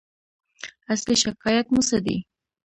اصلي شکایت مو څه دی؟